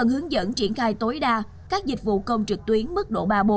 hướng dẫn triển khai tối đa các dịch vụ công trực tuyến mức độ ba bốn